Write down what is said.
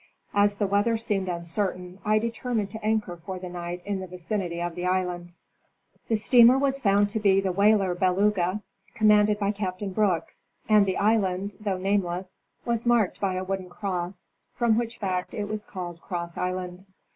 As the weather seemed uncertain I determined to anchor for the night in the vicinity of the island. Arctic Cruise of the U. S. S. Thetis im 1889. 185 The steamer was found to be the whaler Beluga, commanded by Captain Brooks, and the island, though nameless, was marked by a wooden cross, from which fact it was called Cross island.